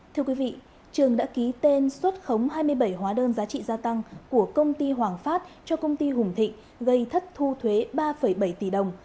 thưa quý vị trường đã ký tên xuất khống hai mươi bảy hóa đơn giá trị gia tăng của công ty hoàng phát cho công ty hùng thịnh gây thất thu thuế ba bảy tỷ đồng